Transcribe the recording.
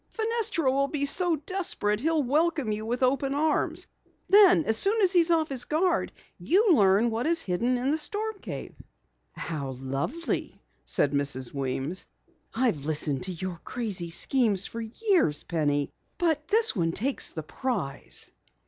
Fenestra will be so desperate he'll welcome you with open arms. Then as soon as he's off his guard you learn what is hidden in the storm cave." "How lovely," said Mrs. Weems. "I've listened to your crazy schemes for years, Penny, but this one takes the prize!"